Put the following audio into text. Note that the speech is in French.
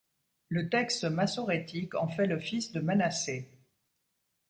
Le texte massorétique en fait le fils de Manassé.